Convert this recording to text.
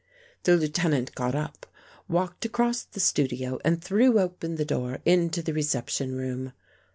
The Lieutenant got up, walked across the studio and threw open the door into the reception room.